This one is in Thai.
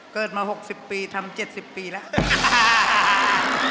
เกิดมา๖๐ปีทำ๗๐ปีแล้ว